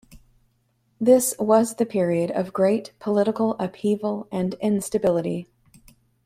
This was the period of great political upheaval and instability.